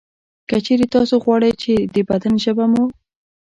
که چېرې تاسې غواړئ چې د بدن ژبه مو